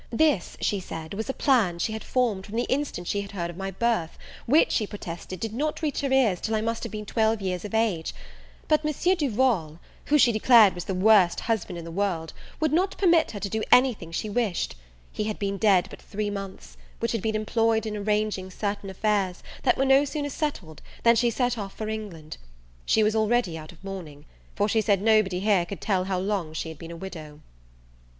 This, she said, was a plan she had formed from the instant she had heard of my birth; which, she protested, did not reach her ears till I must have been twelve years of age; but Monsieur Duval, who she declared was the worst husband in the world, would not permit her to do any thing she wished: he had been dead but three months; which had been employed in arranging certain affairs, that were no sooner settled, than she set off for England. She was already out of mourning, for she said nobody here could tell how long she had been a widow.